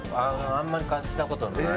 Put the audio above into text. あんまり感じた事のない。